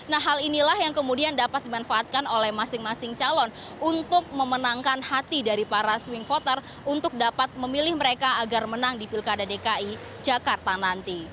nah hal inilah yang kemudian dapat dimanfaatkan oleh masing masing calon untuk memenangkan hati dari para swing voter untuk dapat memilih mereka agar menang di pilkada dki jakarta nanti